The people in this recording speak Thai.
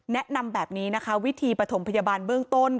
แนะนำแบบนี้นะคะวิธีปฐมพยาบาลเบื้องต้น